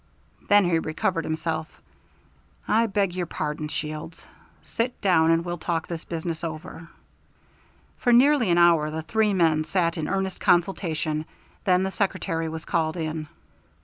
Then he recovered himself. "I beg your pardon, Shields. Sit down, and we'll talk this business over." For nearly an hour the three men sat in earnest consultation; then the secretary was called in.